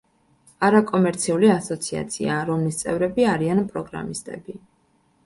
არაკომერციული ასოციაცია, რომლის წევრები არიან პროგრამისტები.